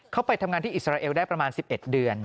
ไปทำงานที่อิสราเอลได้ประมาณ๑๑เดือน